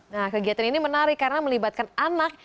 nah kegiatan ini menarik karena melibatkan anak